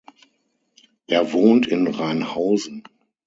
Er wohnt in Reinhausen.